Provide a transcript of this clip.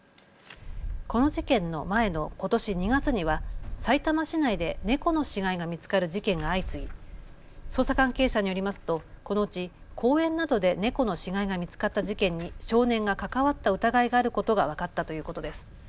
この事件の前のことし２月にはさいたま市内で猫の死骸が見つかる事件が相次ぎ捜査関係者によりますとこのうち公園などで猫の死骸が見つかった事件に少年が関わった疑いがあることが分かったということです。